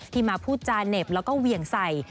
มาพูดจาเหน็บแล้วก็เหวี่ยงใส่